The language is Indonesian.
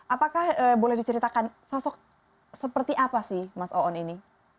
apakah boleh diceritakan sosok seperti apa sih mas oon ini